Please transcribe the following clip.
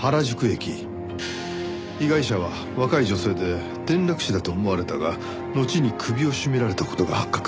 被害者は若い女性で転落死だと思われたがのちに首を絞められた事が発覚。